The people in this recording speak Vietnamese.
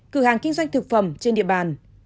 cửa hàng kinh doanh thực phẩm trên địa bàn